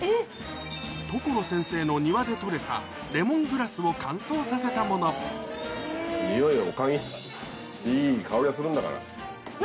所先生の庭で採れたレモングラスを乾燥させたもの匂いをお嗅ぎいい香りがするんだから。